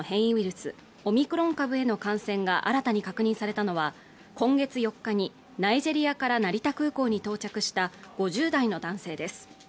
スオミクロン株への感染が新たに確認されたのは今月４日にナイジェリアから成田空港に到着した５０代の男性です